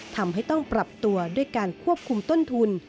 ทำให้ต้องปรับตัวด้วยการควบคุมต้นทุน